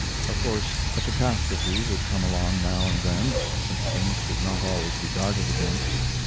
Of course a catastrophe would come along now and then such things could not always be guarded against.